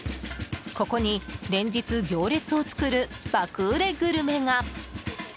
ここに連日行列を作る爆売れグルメが。